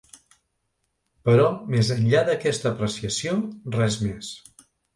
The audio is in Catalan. Però més enllà d’aquesta apreciació, res més.